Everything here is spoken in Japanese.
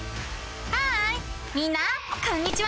ハーイみんなこんにちは！